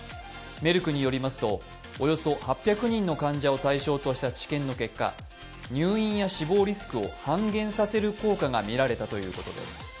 メルクによりますと、およそ８００人の患者を対象にした入院や死亡リスクを半減させる効果が見られたということです。